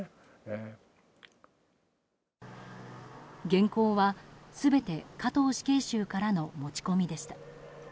原稿は全て、加藤死刑囚からの持ち込みでした。